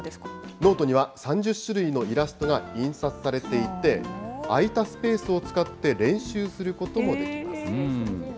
ノートには３０種類のイラストが印刷されていて、空いたスペースを使って練習することもできます。